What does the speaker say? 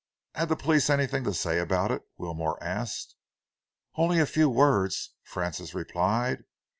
"Had the police anything to say about it?" Wilmore asked. "Only a few words," Francis replied.